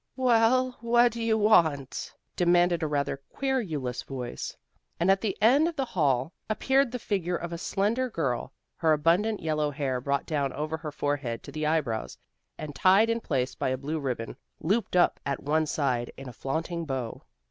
"Well, what do you want?" demanded a rather querulous voice, and at the end of the hall appeared the figure of a slender girl, her abundant yellow hair brought down over her forehead to the eyebrows, and tied in place by a blue ribbon looped up at one side in a flaunting bow.